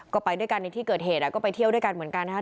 ก็ไปด้วยกันในที่เกิดเหตุก็ไปเที่ยวด้วยกันเหมือนกันนะครับ